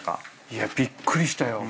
いやびっくりしたよ。